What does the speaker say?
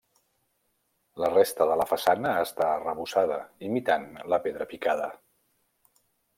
La resta de la façana està arrebossada imitant la pedra picada.